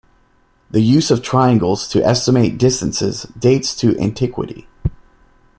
The use of triangles to estimate distances dates to antiquity.